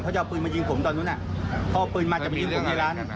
เขาจะเอาปืนมายิงผมตอนนู้นเขาเอาปืนมาจะไปยิงผมในร้าน